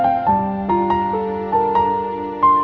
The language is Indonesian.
aku gak bisa tidur semalaman